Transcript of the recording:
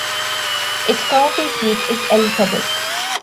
Its county seat is Elizabeth.